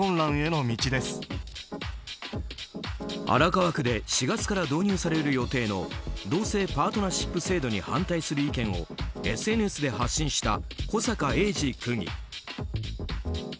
荒川区で４月から導入される予定の同性パートナーシップ制度に反対する意見をＳＮＳで発信した小坂英二区議。